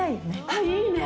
あっいいね！